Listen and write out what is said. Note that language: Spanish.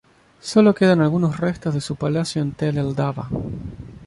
Sólo quedan algunos restos de su palacio en Tell el-Daba.